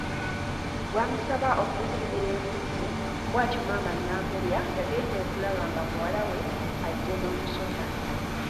Gwamusaba okumusibira enku ze, bwatyo Maama Nambobya yagenda okulaba nga muwala we azze n’omusota.